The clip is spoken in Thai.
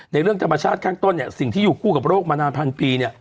ในเรื่องธรรมชาติข้างต้นสิ่งที่อยู่กู้กับโรคมานานพันปี